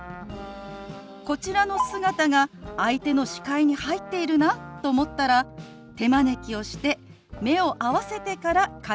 こちらの姿が相手の視界に入っているなと思ったら手招きをして目を合わせてから会話を始めるんです。